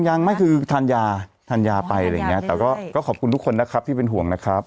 ยังไม่คือทานยาไปอะไรอย่างนี้แต่ก็ขอบคุณทุกคนที่เป็นห่วงนะครับ